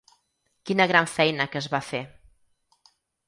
Quina gran feina que es va fer.